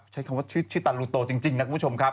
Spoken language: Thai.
ใช้คำว่าชื่อตันลูโตจริงนะคุณผู้ชมครับ